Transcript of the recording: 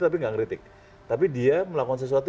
tapi tidak mengkritik tapi dia melakukan sesuatu